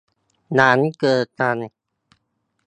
งั้นเจอกัน